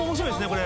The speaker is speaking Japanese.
これ。